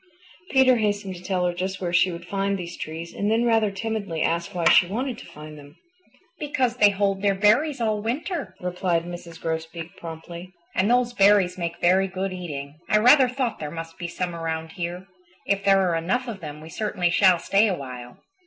Peter hastened to tell her just where she would find these trees and then rather timidly asked why she wanted to find them. "Because they hold their berries all winter," replied Mrs. Grosbeak promptly, "and those berries make very good eating. I rather thought there must be some around here. If there are enough of them we certainly shall stay a while."